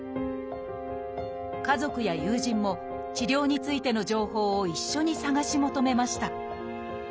家族や友人も治療についての情報を一緒に探し求めました。